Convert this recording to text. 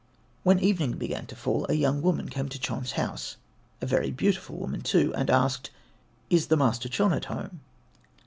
When evening began to fall a young woman came to Chon's house, a very beautiful woman too, and asked, "Is the master Chon at home?"